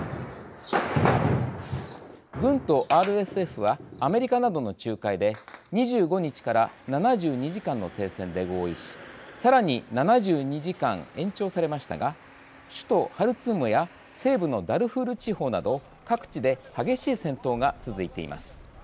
軍とＲＳＦはアメリカなどの仲介で２５日から７２時間の停戦で合意しさらに７２時間延長されましたが首都ハルツームや西部のダルフール地方など各地で激しい戦闘が続いています。